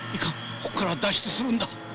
ここから脱出するんだ。